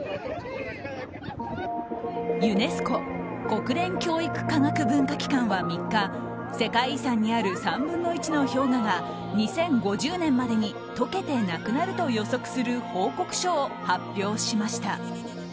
国連教育科学文化機関は３日、世界遺産にある３分の１の氷河が２０５０年までに溶けてなくなると予測する報告書を発表しました。